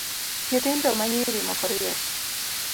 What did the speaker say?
Nyithindo manyiri moko riek